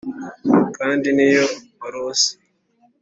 kandi niyo warose